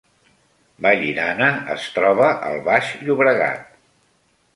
Vallirana es troba al Baix Llobregat